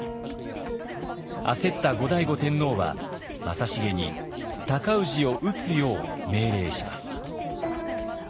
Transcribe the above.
焦った後醍醐天皇は正成に尊氏を討つよう命令します。